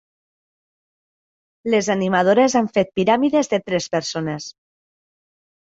Les animadores han fet piràmides de tres persones.